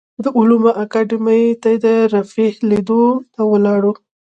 د علومو اکاډیمۍ ته د رفیع لیدو ته لاړو.